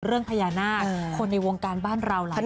เรื่องพญานาคคนในวงการบ้านเราหลายคน